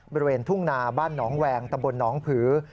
บริเวณทุ่งนาบ้านหนองแวงตำบลหนองผือ